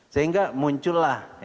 sehingga muncul lantai